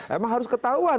emang harus ketahuan